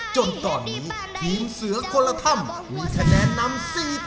จนตอนนี้ทีมเสือกละท่ามมีคะแนนนำ๔๒